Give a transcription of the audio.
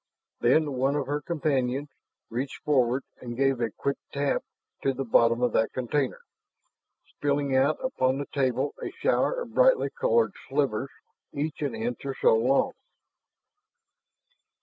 Then one of her companions reached forward and gave a quick tap to the bottom of that container, spilling out upon the table a shower of brightly colored slivers each an inch or so long.